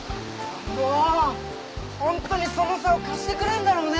もうほんとにその竿貸してくれんだろうね？